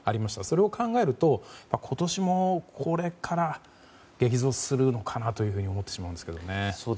それを考えると今年も、これから激増するのかなと思ってしまうんですけどね。